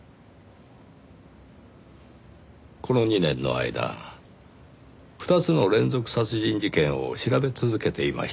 この２年の間２つの連続殺人事件を調べ続けていました。